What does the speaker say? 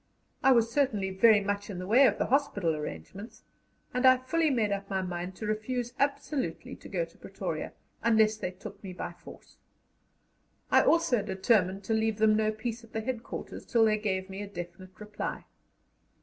I was certainly very much in the way of the hospital arrangements, and I fully made up my mind to refuse absolutely to go to Pretoria, unless they took me by force. I also determined to leave them no peace at the headquarters till they gave me a definite reply.